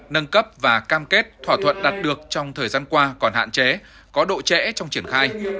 nâng cấp và cam kết thỏa thuận đạt được trong thời gian qua còn hạn chế có độ trễ trong triển khai